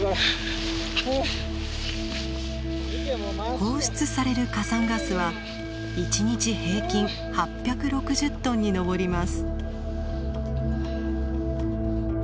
放出される火山ガスは一日平均８６０トンに上ります。